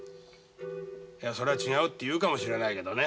いやそれは違うって言うかもしれないけどね。